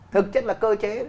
thực chất là cơ chế